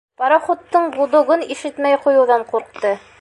Пароходтың гудогын ишетмәй ҡуйыуҙан ҡурҡты.